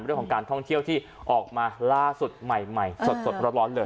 เรื่องของการท่องเที่ยวที่ออกมาล่าสุดใหม่สดร้อนเลย